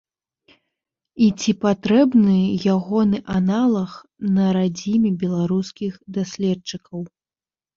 І ці патрэбны ягоны аналаг на радзіме беларускіх даследчыкаў?